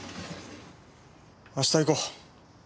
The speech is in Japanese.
明日行こう。